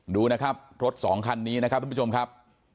ดูนะครับรถสองคันนี้นะครับทุกผู้ชมครับ